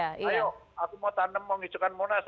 ayo aku mau tanam mau hijaukan monas